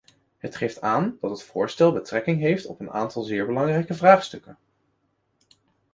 Het geeft aan dat het voorstel betrekking heeft op een aantal zeer belangrijke vraagstukken.